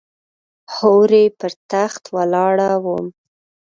هورې پر تخت ولاړه وم .